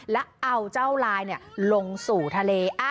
แล้วเอาเจ้าลายลงสู่ทะเล